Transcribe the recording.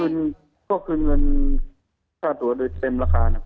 ก็คืนศาสตร์ตัวโดยเต็มราคานะครับค่ะค่ะ